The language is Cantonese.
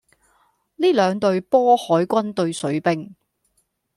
呢兩隊波海軍對水兵